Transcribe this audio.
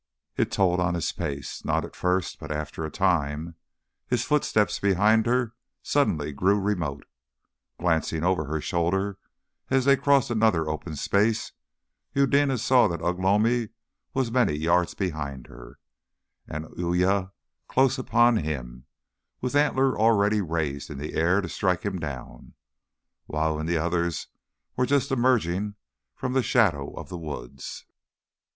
It told on his pace not at first, but after a time. His footsteps behind her suddenly grew remote. Glancing over her shoulder as they crossed another open space, Eudena saw that Ugh lomi was many yards behind her, and Uya close upon him, with antler already raised in the air to strike him down. Wau and the others were but just emerging from the shadow of the woods.